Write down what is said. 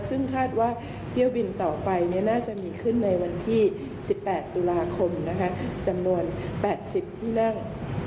ซึ่งคาดว่าเที่ยวบินต่อไปน่าจะมีขึ้นในวันที่๑๘ตุลาคมจำนวน๘๐ที่นั่ง